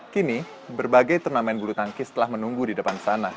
kini berbagai turnamen bulu tangkis telah menunggu di depan sana